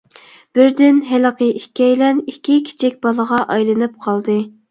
بىردىن ھېلىقى ئىككىيلەن ئىككى كىچىك بالىغا ئايلىنىپ قالدى.